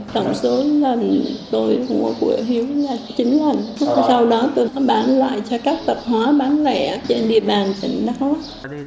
tổng số lần tôi mua của hiếu là chín lần sau đó tôi bán lại cho các tập hóa bán lẻ trên địa bàn tỉnh đăng lóc